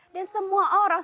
dan semua orang